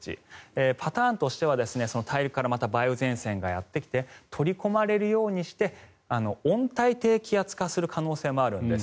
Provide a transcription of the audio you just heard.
パターンとしては大陸からまた梅雨前線がやってきて取り込まれるようにして温帯低気圧化する可能性もあるんです。